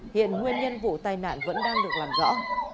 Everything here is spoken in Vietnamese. hiện nguyên nhân vụ tai nạn vẫn đang được làm rõ